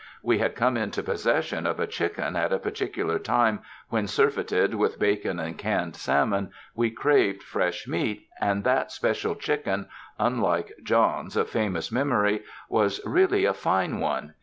We had come into possession of a chicken at a particular time when, surfeited with bacon and canned salmon, we craved fresh meat, and that special chicken, unlike John's of famous memory, was really a fine one.